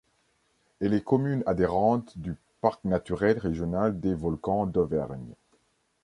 Elle est commune adhérente du parc naturel régional des Volcans d'Auvergne.